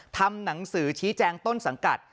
ทำหนังสือชี้แจงต้นสังกัด